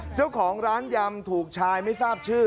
เจ้าของร้านยำถูกชายไม่ทราบชื่อ